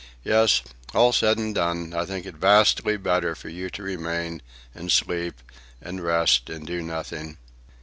Yes, all said and done, I think it vastly better for you to remain, and sleep, and rest and do nothing."